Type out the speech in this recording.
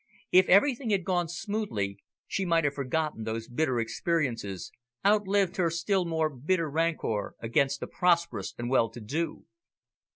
If everything had gone smoothly, she might have forgotten those bitter experiences, outlived her still more bitter rancour against the prosperous and well to do.